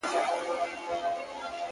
o ه زه تر دې کلامه پوري پاته نه سوم ـ